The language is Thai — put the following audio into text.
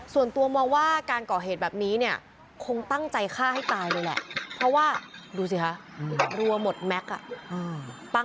ส่วนตัวมองว่าการก่อเหตุแบบนี้เนี่ยคงตั้งใจฆ่าให้ตายเลยแหละเพราะว่าดูสิคะรัวหมดแม็กซ์อ่ะ